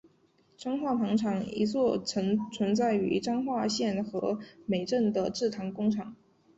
彰化糖厂一座曾存在于彰化县和美镇的制糖工厂。